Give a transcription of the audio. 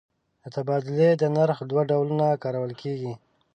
د تبادلې د نرخ دوه ډولونه کارول کېږي.